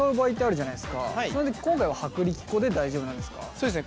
そうですね